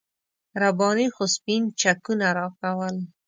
رباني خو سپین چکونه راکول.